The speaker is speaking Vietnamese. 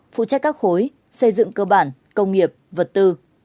phụ trách các khối xây dựng cơ bản công nghiệp vật tư